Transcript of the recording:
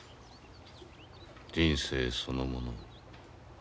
人生そのもの。